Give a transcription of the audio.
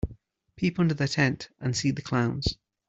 Peep under the tent and see the clowns.